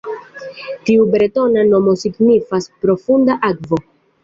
Tiu bretona nomo signifas "profunda akvo".